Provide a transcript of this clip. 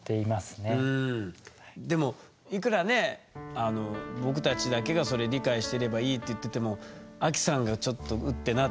でもいくらね僕たちだけがそれ理解してればいいって言っててもアキさんがちょっとウッってなってたらやっぱ気遣うでしょ？